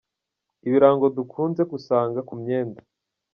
Ibirango dukunze gusanga ku myenda.